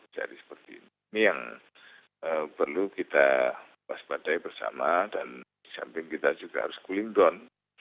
jadi seperti ini yang perlu kita pas pas daya bersama dan di samping kita juga harus cooling down